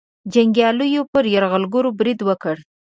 جنګیالیو پر یرغلګرو برید وکړ.